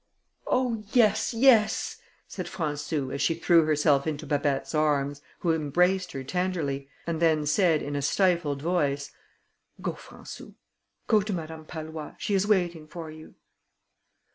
"Oh! yes, yes," said Françou, as she threw herself into Babet's arms, who embraced her tenderly, and then said in a stifled voice: "Go, Françou, go to Madame Pallois, she is waiting for you."